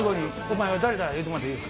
お前は誰だ？